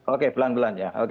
oke pelan pelan ya